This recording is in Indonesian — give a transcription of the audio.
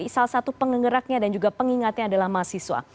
salah satu penggeraknya dan juga pengingatnya adalah mahasiswa